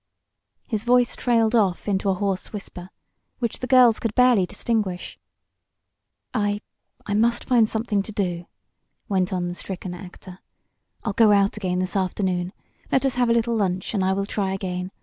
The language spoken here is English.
His voice trailed off into a hoarse whisper, which the girls could barely distinguish. "I I must find something to do," went on the stricken actor. "I'll go out again this afternoon. Let us have a little lunch and I will try again.